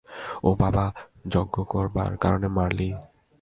ওহ, বাবা, যজ্ঞ করার কারণে মারলি?